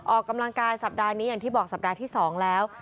ออกกำลังกายสัปดาห์นี้อย่างที่บอกสัปดาห์ที่๒แล้ว